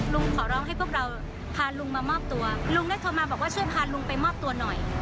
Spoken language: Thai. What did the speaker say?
ขอร้องให้พวกเราพาลุงมามอบตัวลุงได้โทรมาบอกว่าช่วยพาลุงไปมอบตัวหน่อย